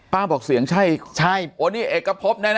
ป้าบอกเสียงใช่โอ้นี่เอกพบแน่